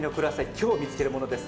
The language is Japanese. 今日見つけるものです。